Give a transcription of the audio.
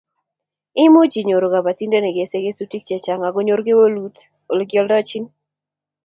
Imuch inyoru kobotindet nekesei kesutik chechang akonyor kewelut Ole kioldochin